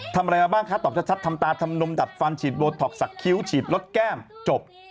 ทำอะไรมาบ้างคะตอบชัดทำตาทำนมดัดฟันฉีดโบท็อกสักคิ้วฉีดลดแก้มจบ